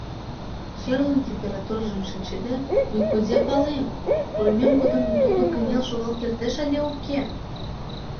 Черлын температурыжым шинчыде, мый кузе палем: пурымем годым тудо кынел шогал кертеш але уке?